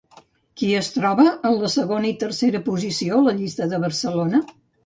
Qui es troba en la segona i tercera posició a la llista de Barcelona?